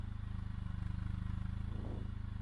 Neno Nigeri linatafsiriwa Mweusi Kumbe hata huyu anaonekana